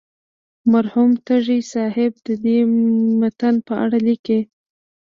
مرحوم تږی صاحب د دې متن په اړه لیکي.